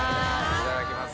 いただきます。